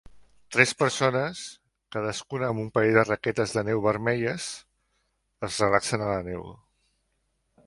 Tres persones, cadascuna amb un parell de raquetes de neu vermelles, es relaxen a la neu.